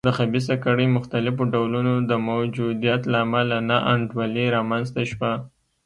د خبیثه کړۍ مختلفو ډولونو د موجودیت له امله نا انډولي رامنځته شوه.